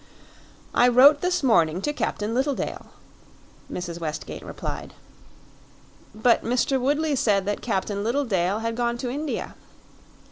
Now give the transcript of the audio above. "I wrote this morning to Captain Littledale," Mrs. Westgate replied. "But Mr. Woodley said that Captain Littledale had gone to India."